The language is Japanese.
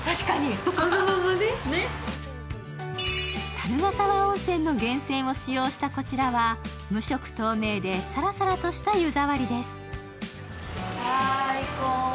樽ヶ沢温泉の源泉を使用したこちらは、無色透明でサラサラとした湯触りです。